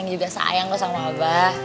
neng juga sayang kok sama abah